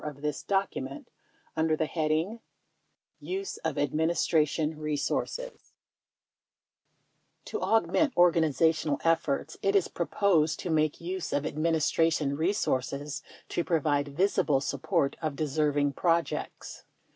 23 4 of this document under the heading "Use of Administra tion Resources" : To augment organizational efforts it is proposed to make use of Administration resources to provide visible support of deserving projects.